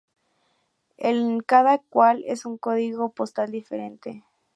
En cada cual, es un código postal diferente.